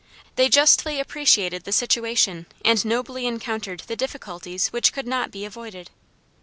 They justly appreciated the situation and nobly encountered the difficulties which could not be avoided.